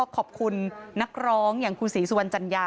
ขอบคุณนักร้องอย่างคุณศรีสุวรรณจัญญา